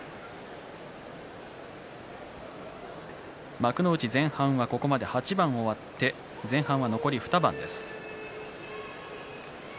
幕内前半はここまで８番終わって前半は残り２番です。